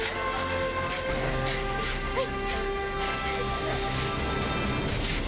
はい。